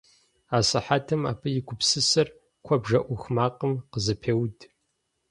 Асыхьэтым абы и гупсысэр куэбжэ Iух макъым къызэпеуд.